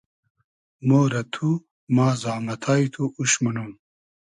مۉ رۂ تو ، ما زامئتای تو اوش مونوم